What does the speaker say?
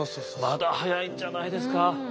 まだ早いんじゃないですか。